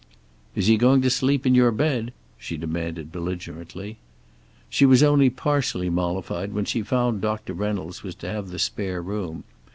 "Is he going to sleep in your bed?" she demanded belligerently. She was only partially mollified when she found Doctor Reynolds was to have the spare room.